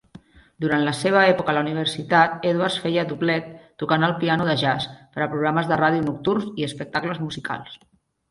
Durant la seva època a la universitat, Edwards feia doblet tocant el piano de jazz per a programes de ràdio nocturns i espectacles musicals.